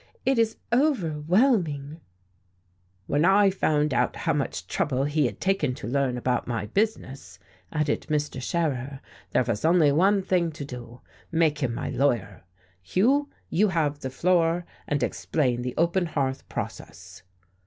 "It is overwhelming." "When I found out how much trouble he had taken to learn about my business," added Mr. Scherer, "there was only one thing to do. Make him my lawyer. Hugh, you have the floor, and explain the open hearth process."